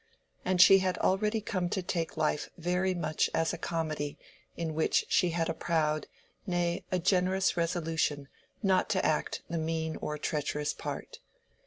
And she had already come to take life very much as a comedy in which she had a proud, nay, a generous resolution not to act the mean or treacherous part.